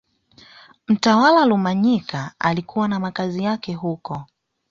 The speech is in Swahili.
Mtawala Rumanyika alikuwa na makazi yake huko